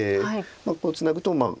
こうツナぐとまあ